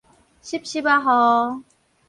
溼溼仔雨